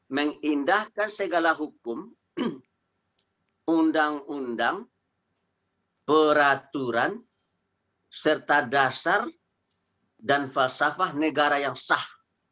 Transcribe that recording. mengindahkan segala hukum undang undang peraturan serta dasar dan falsafah negara yang sah